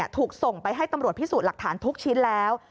ถูกส่งไปให้ตำรวจพิสูจน์หลักฐานทุกชิ้นแล้ว